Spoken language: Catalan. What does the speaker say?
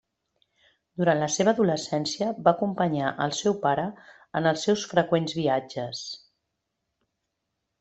Durant la seva adolescència va acompanyar el seu pare en els seus freqüents viatges.